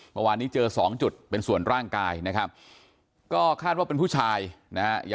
เมื่อวานนี้เจอ๒จุดเป็นส่วนร่างกายก็คาดว่าเป็นผู้ชาย